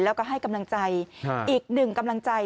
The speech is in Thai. แล้วก็ให้กำลังใจอีกหนึ่งกำลังใจ